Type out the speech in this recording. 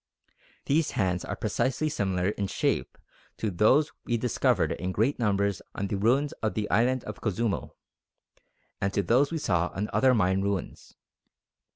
These hands are precisely similar in shape to those we discovered in great numbers on the ruins in the island of Cozumel, and to those we saw on other Mayan ruins.